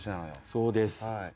そうです。